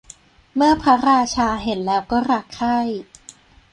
เมื่อพระราชาเห็นแล้วก็รักใคร่